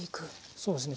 そうですね。